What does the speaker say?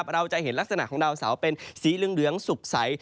เราจะเห็นลักษณะของดาวเสาเป็นสีเหลืองสุขใส